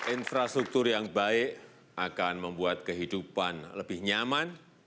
infrastruktur yang baik akan membuat kehidupan lebih nyaman